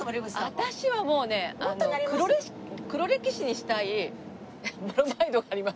私はもうね黒歴史にしたいプロマイドがあります。